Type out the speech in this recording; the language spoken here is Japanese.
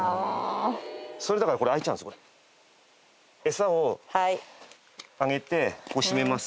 餌をあげてここ閉めます。